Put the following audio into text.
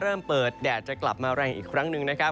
เริ่มเปิดแดดจะกลับมาแรงอีกครั้งหนึ่งนะครับ